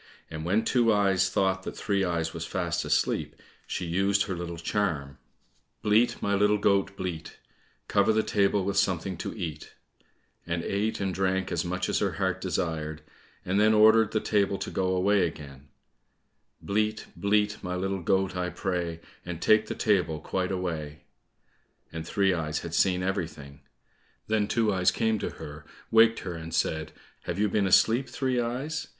And when Two eyes thought that Three eyes was fast asleep, she used her little charm, "Bleat, my little goat, bleat, Cover the table with something to eat," and ate and drank as much as her heart desired, and then ordered the table to go away again, "Bleat, bleat, my little goat, I pray, And take the table quite away," and Three eyes had seen everything. Then Two eyes came to her, waked her and said, "Have you been asleep, Three eyes?